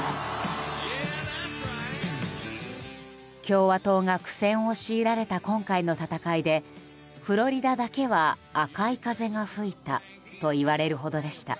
共和党が苦戦を強いられた今回の戦いでフロリダだけは赤い風が吹いたといわれるほどでした。